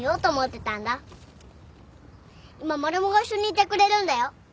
今マルモが一緒にいてくれるんだよ。